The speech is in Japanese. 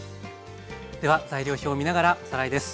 では材料表を見ながらおさらいです。